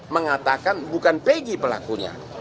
mengatakan bukan pegi pelakunya